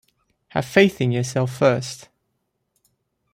Have faith in yourself first.